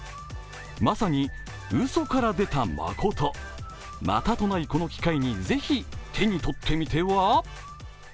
まさにうそから出た誠、またとないこの機会にぜひ手に取ってみては？